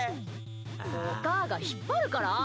おかあが引っ張るから。